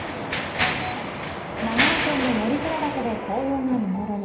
長野県の乗鞍岳で紅葉が見頃に。